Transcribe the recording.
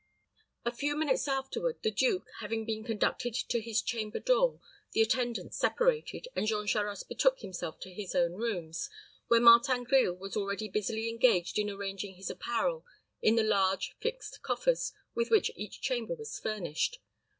A few minutes afterward, the duke having been conducted to his chamber door, the attendants separated, and Jean Charost betook himself to his own rooms, where Martin Grille was already busily engaged in arranging his apparel in the large fixed coffers with which each chamber was furnished.